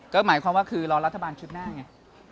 ก็หมายความว่าคือรอรัฐบาลชุดหน้าไง